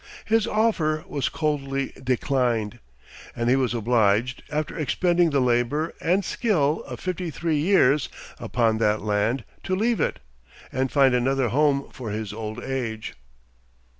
His offer was coldly declined, and he was obliged, after expending the labor and skill of fifty three years upon that land, to leave it, and find another home for his old age.